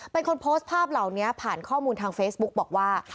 เป็นคนโพสต์ภาพเหล่านี้ผ่านข้อมูลทางเฟซบุ๊กบอกว่า